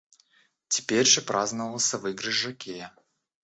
Теперь же праздновался выигрыш жокея.